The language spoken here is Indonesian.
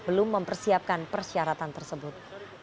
belum mempersiapkan persyaratan tersebut